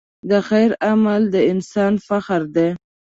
د خیر عمل د انسان فخر دی.